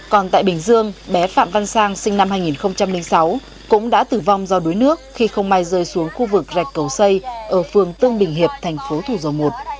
còn tại bình dương bé phạm văn sang sinh năm hai nghìn sáu cũng đã tử vong do đuối nước khi không may rơi xuống khu vực rạch cầu xây ở phường tương bình hiệp thành phố thủ dầu một